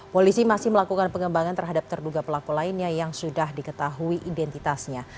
polisi masih melakukan pengembangan terhadap terduga pelaku lainnya yang sudah diketahui identitasnya